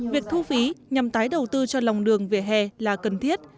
việc thu phí nhằm tái đầu tư cho lòng đường vỉa hè là cần thiết